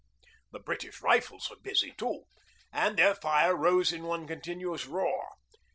The British rifles were busy too, and their fire rose in one continuous roar.